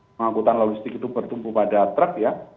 pengangkutan logistik itu bertumpu pada truk ya